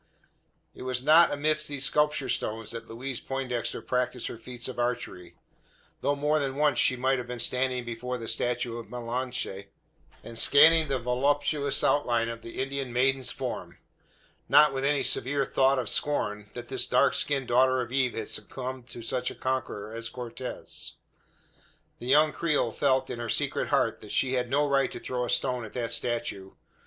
It was not amidst these sculptured stones that Louise Poindexter practised her feats of archery; though more than once might she have been seen standing before the statue of Malinche, and scanning the voluptuous outline of the Indian maiden's form; not with any severe thought of scorn, that this dark skinned daughter of Eve had succumbed to such a conqueror as Cortez. The young creole felt, in her secret heart, that she had no right to throw a stone at that statue.